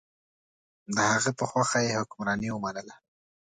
د هغه په خوښه یې حکمراني ومنله.